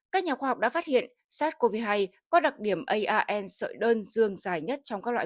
các nhà khoa học đã phát hiện sars cov hai có đặc điểm ian sợi đơn dương dài nhất trong các loại